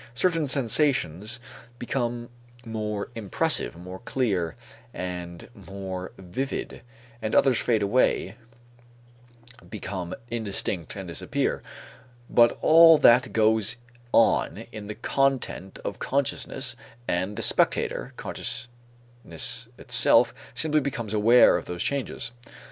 Certain sensations become more impressive, more clear, and more vivid, and others fade away, become indistinct and disappear, but all that goes on in the content of consciousness and the spectator, consciousness itself, simply becomes aware of those changes.